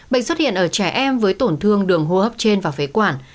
bệnh xuất hiện ở trẻ em với tổn thương đường hô hấp trên vài năm